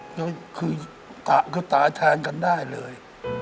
ก็คือตายแทนกันได้เลย